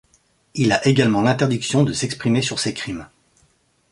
Il a également l'interdiction de s'exprimer sur ses crimes.